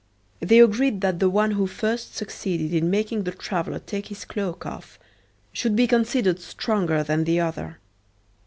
They agreed that the one who first succeeded in making the traveler take his cloak off should be considered stronger than the other.